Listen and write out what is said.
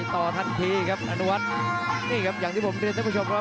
อันวัดเบียดเข้ามาอันวัดโดนชวนแรกแล้ววางแค่ขวาแล้วเสียบด้วยเขาซ้าย